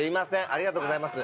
ありがとうございます。